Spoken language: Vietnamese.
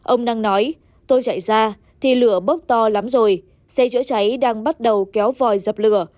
ông năng nói tôi chạy ra thì lửa bốc to lắm rồi xe chữa cháy đang bắt đầu kéo vòi dập lửa